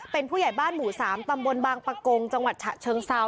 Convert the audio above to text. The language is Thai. เป็นผู้ใหญ่บ้านหมู่๓ตำบลบางปะโกงจังหวัดฉะเชิงเซา